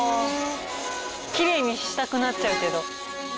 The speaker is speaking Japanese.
きれいにしたくなっちゃうけど。